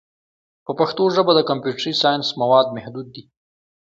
په پښتو ژبه د کمپیوټري ساینس مواد محدود دي.